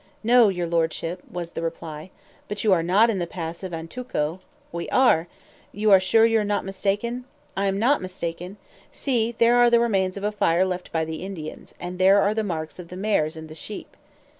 "No, your Lordship," was the reply. "But you are not in the pass of Antuco." "We are." "You are sure you are not mistaken?" "I am not mistaken. See! there are the remains of a fire left by the Indians, and there are the marks of the mares and the sheep."